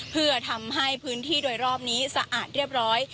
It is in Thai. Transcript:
เพื่อทำให้พื้นที่โดยรอบนี้สะอาดเรียบร้อย